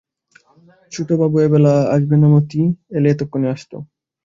ছোটবাবু এবেলা আসবে না মতি, এলে এতক্ষণ আসত।